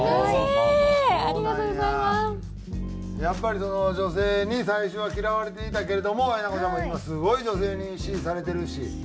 やっぱり女性に最初は嫌われていたけれどもえなこさんも今すごい女性に支持されてるし。